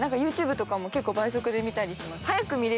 ＹｏｕＴｕｂｅとかも結構倍速で見たりします。